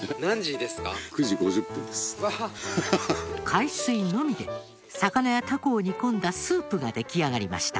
海水のみで魚やタコを煮込んだスープが出来上がりました。